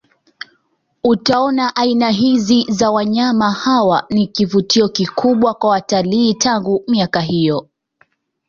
Utaona aina hizi za wanyama hawa ni kivutio kikubwa kwa watalii tangu miaka hiyo